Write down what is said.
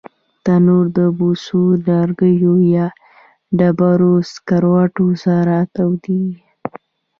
تنور د بوسو، لرګیو یا ډبرو سکرو سره تودېږي